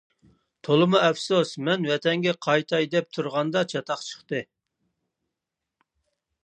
تولىمۇ ئەپسۇس، مەن ۋەتەنگە قايتاي دەپ تۇرغاندا چاتاق چىقتى.